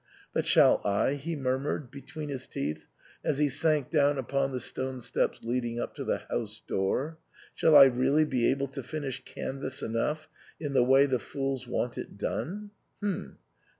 " But shall I," he murmured between his teeth as he sank down upon the stone steps leading up to the house door, shall I really be able to finish canvas enough in the way the fools want it done